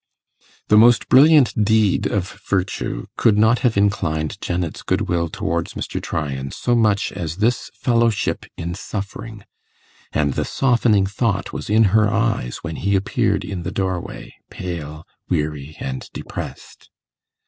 The most brilliant deed of virtue could not have inclined Janet's good will towards Mr. Tryan so much as this fellowship in suffering, and the softening thought was in her eyes when he appeared in the doorway, pale, weary, and depressed.